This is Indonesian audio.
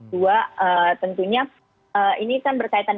dua tentunya ini kan berkaitan dengan insuransi